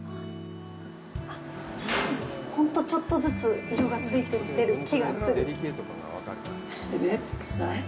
あっ、ちょっとずつ、ほんとちょっとずつ色がついていってる気がする。